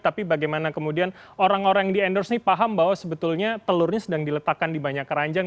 tapi bagaimana kemudian orang orang yang di endorse ini paham bahwa sebetulnya telurnya sedang diletakkan di banyak keranjang